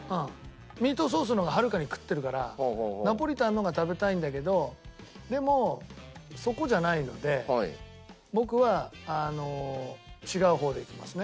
ミートソースの方がはるかに食ってるからナポリタンの方が食べたいんだけどでもそこじゃないので僕は違う方でいきますね。